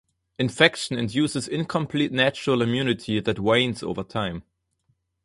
Infection induces incomplete natural immunity that wanes over time.